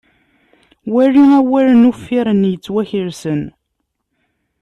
Wali awalen uffiren yettwakelsen.